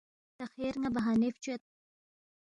تا خیر ن٘ا بہانے فچوید